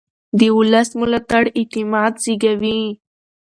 د ولس ملاتړ اعتماد زېږوي